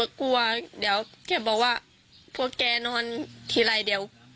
กลัวเดี๋ยวแกบอกว่าพวกแกนอนทีไรเดียว